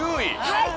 はい！